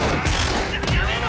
やめろ！